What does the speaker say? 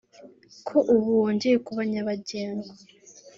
ko ubu wongeye kuba nyabagendwa